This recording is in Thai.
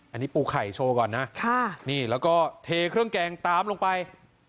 อันนี้ปูไข่โชว์ก่อนนะนี่แล้วก็เทเครื่องแกงตามลงไป